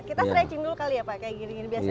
kita stretching dulu kali ya pak kayak gini